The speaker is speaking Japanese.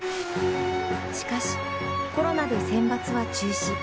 しかし、コロナでセンバツは中止。